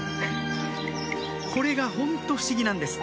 これがホント不思議なんです